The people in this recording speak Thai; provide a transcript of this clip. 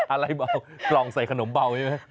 อะไรเบากล่องใส่ขนมเบาใช่ไหม